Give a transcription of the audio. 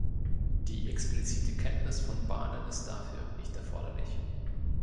Die explizite Kenntnis von Bahnen ist dafür nicht erforderlich.